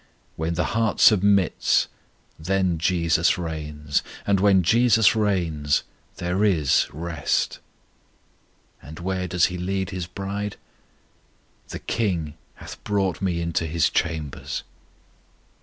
When the heart submits, then JESUS reigns. And when JESUS reigns, there is rest. And where does He lead His bride? The King hath brought me into His chambers.